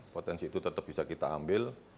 potensi itu tetap bisa kita ambil